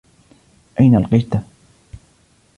أين القِشدة؟